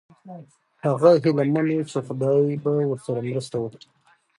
هغه هیله من و چې خدای به ورسره مرسته وکړي.